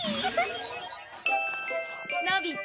のび太。